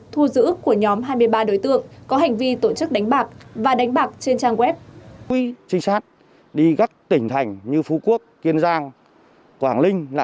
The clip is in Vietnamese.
thu giữ ước của nhóm hai mươi ba đối tượng có hành vi tổ chức đánh bạc và đánh bạc trên trang web